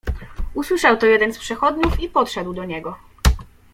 "Usłyszał to jeden z przechodniów i podszedł do niego."